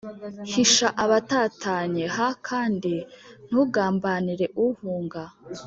Hisha abatatanye h kandi ntugambanire uhunga